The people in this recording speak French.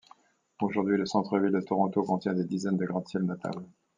Aujourd'hui, le centre-ville de Toronto contient des dizaines de gratte-ciels notables.